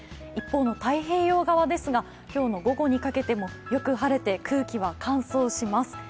一方の太平洋側ですが、今日の午後にかけてもよく晴れて、空気は乾燥します。